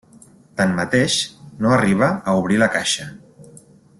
Tanmateix, no arriba a obrir la caixa.